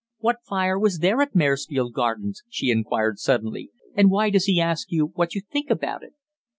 "What fire was there at Maresfield Gardens?" she inquired suddenly, "and why does he ask you what you think about it?"